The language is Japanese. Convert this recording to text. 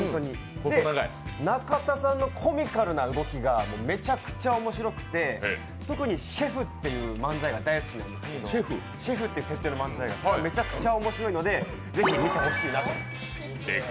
で、中田さんのコミカルな動きがめちゃくちゃ面白くて特にシェフっていう設定の漫才が大好きなんですけど、めちゃくちゃ面白いのでぜひ見てほしいなと。